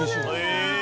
へえ！